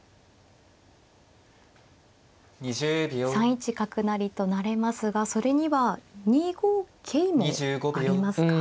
３一角成と成れますがそれには２五桂もありますか。